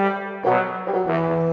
nih bolok ke dalam